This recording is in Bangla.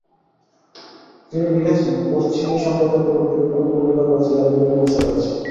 তিনি লিখেছেন, "পশ্চিমে সম্প্রদায়গুলোর বিভিন্ন উপ-বিভাগ রয়েছে যার বিভিন্ন উৎস রয়েছে।